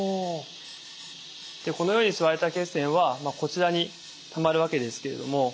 このように吸われた血栓はこちらにたまるわけですけれども。